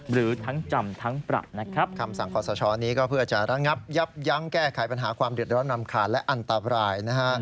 หรือทั้งจำทั้งปรับนะครับคำสั่งขอสชนี้ก็เพื่อจะระงับยับยั้งแก้ไขปัญหาความเดือดร้อนรำคาญและอันตรายนะฮะ